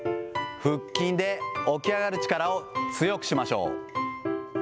腹筋で起き上がる力を強くしましょう。